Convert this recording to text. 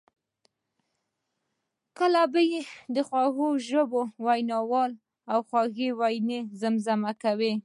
کله بیا د خوږ ژبو ویناوالو خوږې ویناوي زمزمه کوي.